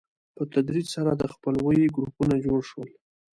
په تدریج سره د خپلوۍ ګروپونه جوړ شول.